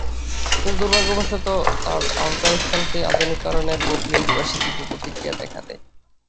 কিন্তু দুর্ভাগ্যবশত তাঁর আফগানিস্তানকে আধুনিকীকরণের বৈপ্লবিক প্রয়াসে তীব্র প্রতিক্রিয়া দেখা দেয়।